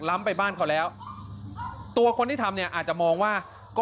ล้ำไปบ้านเขาแล้วตัวคนที่ทำเนี่ยอาจจะมองว่าก็